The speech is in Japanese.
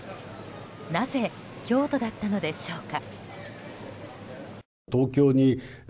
なぜ、京都だったのでしょうか。